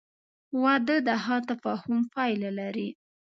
• واده د ښه تفاهم پایله لري.